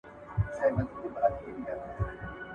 زه بايد ونې ته اوبه ورکړم!!